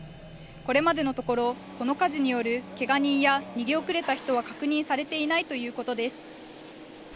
これまでのところ、この火事によるけが人や逃げ遅れた人は確認されていないということです。